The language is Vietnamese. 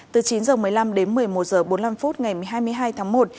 từ chín h một mươi năm đến một mươi một h bốn mươi năm phút ngày hai mươi hai tháng một